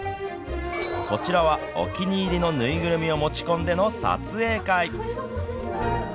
こちらはお気に入りの縫いぐるみを持ち込んでの撮影会。